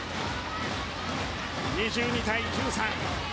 ２２対１３。